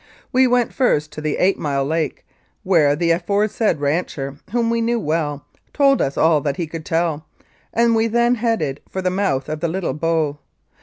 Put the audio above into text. We went first to the Eight Mile Lake, where the afore said rancher, whom we knew well, told us all that he could tell, and we then headed for the mouth of the Little Bow.